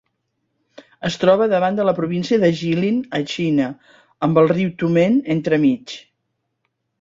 Es troba davant de la província de Jilin, a Xina, amb el riu Tumen entremig.